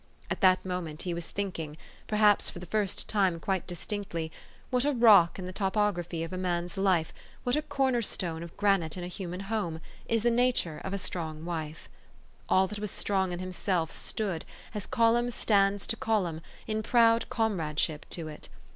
At that moment he was think ing, perhaps for the first time quite distinctly, what a rock in the topography of a man's life, what a corner stone of granite in a human home, is the nature of a strong wife. All that was strong in himself stood, as column stands to column, in proud comradeship to it.